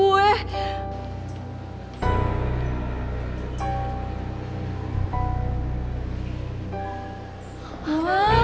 kaganya dia pensep dengan aku